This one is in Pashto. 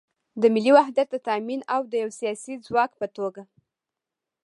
د ملي وحدت د تامین او د یو سیاسي ځواک په توګه